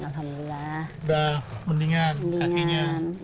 sudah mendingan kakinya